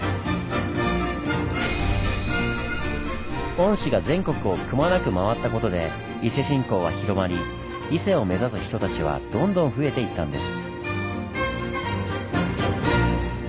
御師が全国をくまなく回ったことで伊勢信仰は広まり伊勢を目指す人たちはどんどん増えていったんです。